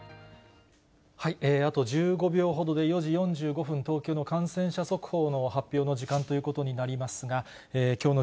あと１５秒ほどで４時４５分、東京の感染者速報の発表の時間ということになりますが、きょうの